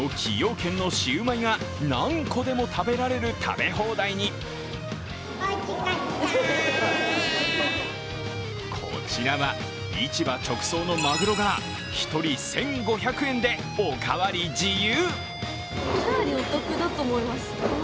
軒のシウマイが何個でも食べられる食べ放題にこちらは市場直送のマグロが１人１５００円でおかわり自由。